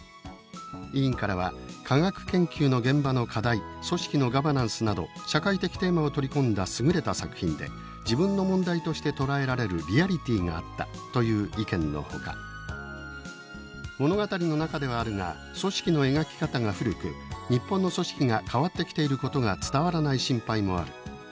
委員からは「科学研究の現場の課題組織のガバナンスなど社会的テーマを取り込んだ優れた作品で自分の問題として捉えられるリアリティーがあった」という意見のほか「物語の中ではあるが組織の描き方が古く日本の組織が変わってきていることが伝わらない心配もある」